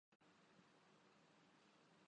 کار جہاں دراز ہے اب میرا انتظار کر